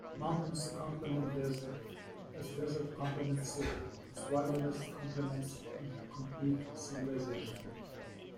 Mountains complement desert as desert complements city, as wilderness complements and complete civilization.